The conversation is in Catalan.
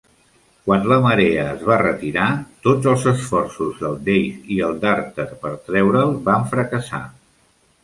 Quan la marea es va retirar, tots els esforços del Dace i el Darter per treure'l van fracassar.